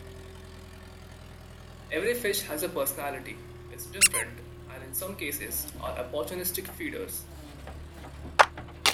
Every fish has a personality, is different, and, in some cases, are opportunistic feeders.